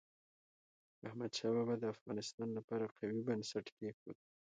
احمد شاه بابا د افغانستان لپاره قوي بنسټ کېښود.